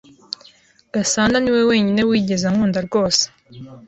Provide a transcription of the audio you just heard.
Gasananiwe wenyine wigeze ankunda rwose.